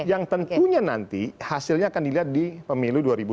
yang tentunya nanti hasilnya akan dilihat di pemilu dua ribu dua puluh